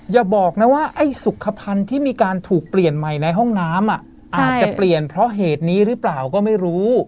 อย่าบอกนะว่าไอ้สุขภัณฑ์ที่มีการถูกเปลี่ยนใหม่ในห้องน้ำอาจจะเปลี่ยนเพราะเหตุนี้หรือเปล่าก็ไม่รู้